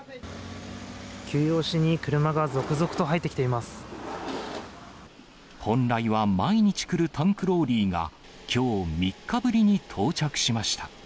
給油をしに、車が続々と入っ本来は毎日来るタンクローリーが、きょう、３日ぶりに到着しました。